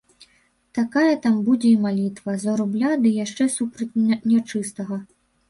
Такая там будзе і малітва, за рубля ды яшчэ супроць нячыстага.